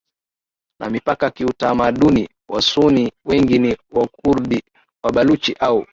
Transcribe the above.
na mipaka kiutamaduni Wasunni wengi ni Wakurdi Wabaluchi au